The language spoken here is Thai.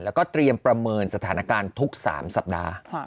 แล้วก็เตรียมประเมินสถานการณ์ทุก๓สัปดาห์